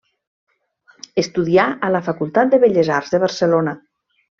Estudià a la Facultat de Belles Arts de Barcelona.